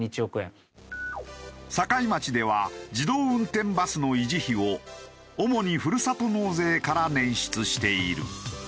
境町では自動運転バスの維持費を主にふるさと納税から捻出している。